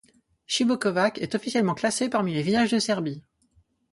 Čibukovac est officiellement classé parmi les villages de Serbie.